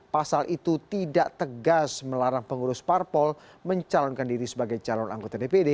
pasal itu tidak tegas melarang pengurus parpol mencalonkan diri sebagai calon anggota dpd